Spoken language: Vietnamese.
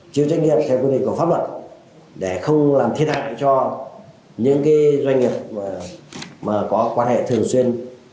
chịu trách nhiệm theo quyền định của pháp luật để không làm thiết hại cho những doanh nghiệp có quan hệ thường xuyên